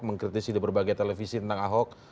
mengkritisi di berbagai televisi tentang ahok